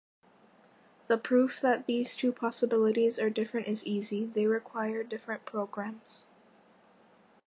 The proof that these two possibilities are different is easy: they require different "programs".